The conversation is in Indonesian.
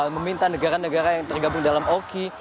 meminta negara negara yang tergabung dalam oki